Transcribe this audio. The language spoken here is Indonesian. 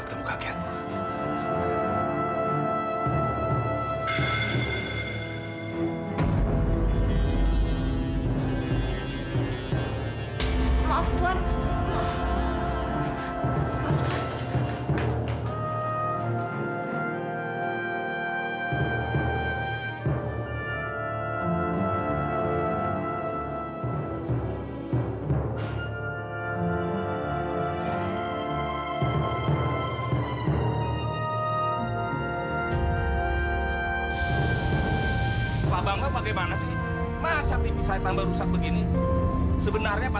sampai jumpa di video selanjutnya